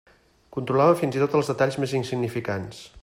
Controlava fins i tot els detalls més insignificants.